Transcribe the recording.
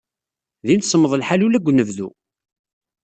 Din semmeḍ lḥal ula deg unebdu.